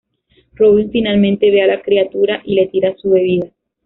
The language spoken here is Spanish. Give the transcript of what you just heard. Robin finalmente ve a la criatura, y le tira su bebida.